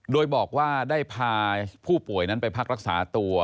โดยบอกว่าได้พาผู้ป่วยนั้นไปพักรักษาตัว